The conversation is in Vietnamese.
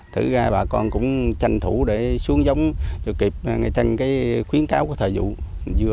thứ ra bà con cũng tranh thủ để xuống giống kịp ngày trăng khuyến cáo của thời vụ